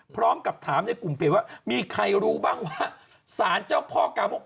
พร้อมกับถามในกลุ่มเพจว่ามีใครรู้บ้างว่าสารเจ้าพ่อกามก